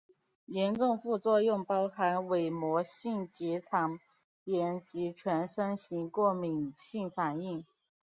严重副作用包含伪膜性结肠炎及全身型过敏性反应。